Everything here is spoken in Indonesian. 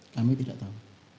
kami tidak tahu